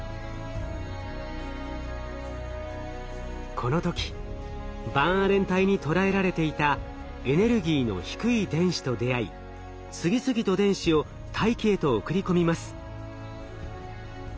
この時バンアレン帯にとらえられていたエネルギーの低い電子と出会い次々と電子を大気へと送り込みます。